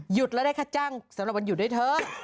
แล้วได้ค่าจ้างสำหรับวันหยุดด้วยเถอะ